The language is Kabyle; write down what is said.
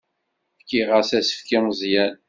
Fkiɣ-as asefk i Meẓyan.